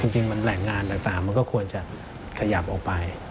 จริงแหล่งงานต่างมันก็ควรจะขยับออกไป